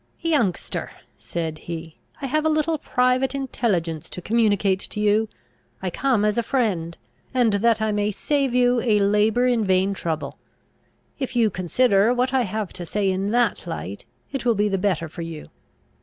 "Youngster," said he, "I have a little private intelligence to communicate to you. I come as a friend, and that I may save you a labour in vain trouble. If you consider what I have to say in that light, it will be the better for you.